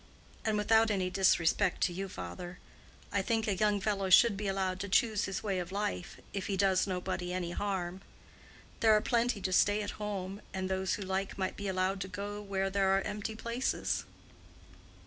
And without any disrespect to you, father, I think a young fellow should be allowed to choose his way of life, if he does nobody any harm. There are plenty to stay at home, and those who like might be allowed to go where there are empty places."